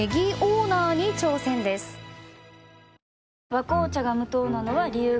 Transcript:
「和紅茶」が無糖なのは、理由があるんよ。